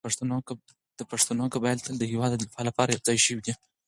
د پښتنو قبایل تل د هېواد د دفاع لپاره يو ځای شوي دي.